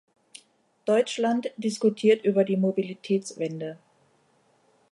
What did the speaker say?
Deutschland diskutiert über die Mobilitätswende.